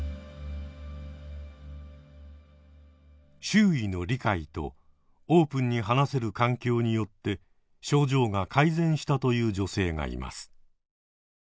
周囲の理解とオープンに話せる環境によって症状が改善したという女性がいます。